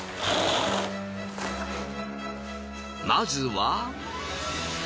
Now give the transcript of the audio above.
まずは。